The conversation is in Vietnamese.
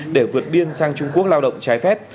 để vượt biên sang trung quốc lao động trái phép